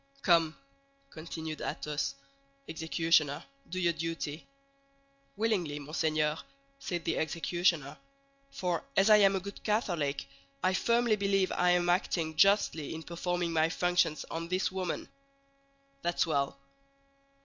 "Come," continued Athos, "executioner, do your duty." "Willingly, monseigneur," said the executioner; "for as I am a good Catholic, I firmly believe I am acting justly in performing my functions on this woman." "That's well."